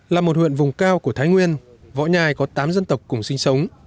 là một huyện vùng cao của thái nguyên võ nhai có tám dân tộc cùng sinh sống